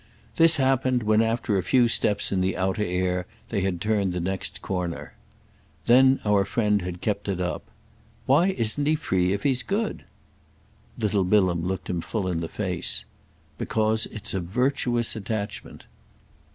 This happened when after a few steps in the outer air they had turned the next corner. There our friend had kept it up. "Why isn't he free if he's good?" Little Bilham looked him full in the face. "Because it's a virtuous attachment."